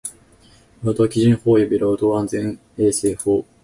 労働基準法及び労働安全衛生法